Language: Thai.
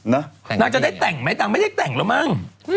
นางจะได้แต่งไหมนางไม่ได้แต่งแล้วมั้ง